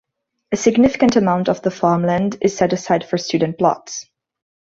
A significant amount of the farm land is set aside for student plots.